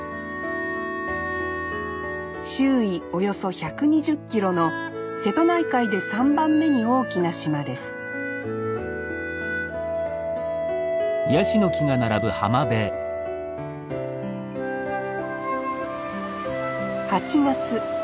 周囲およそ１２０キロの瀬戸内海で３番目に大きな島です８月。